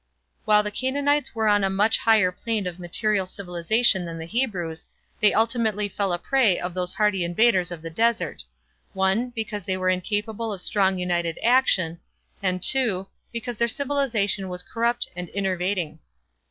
While the Canaanites were on a much higher plane of material civilization than the Hebrews, they ultimately fell a prey to those hardy invaders of the desert: (1) Because they were incapable of strong united action, and (2) because their civilization was corrupt and enervating.